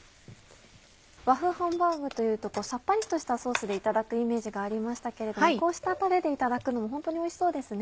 和風ハンバーグというとさっぱりとしたソースでいただくイメージがありましたけれどこうしたたれでいただくのもホントにおいしそうですね。